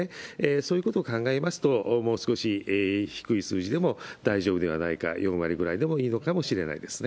そういうことを考えますと、もう少し低い数字でも大丈夫ではないか、４割ぐらいでもいいのかもしれないですね。